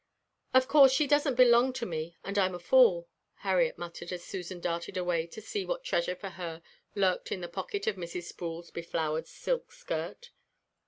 "Of course, she doesn't belong to me and I'm a fool," Harriet muttered as Susan darted away to see what treasure for her lurked in the pocket of Mrs. Sproul's beflowered silk skirt.